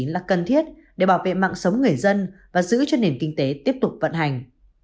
là cần thiết để bảo vệ mạng sống người dân và giữ cho nền kinh tế tiếp tục vận hành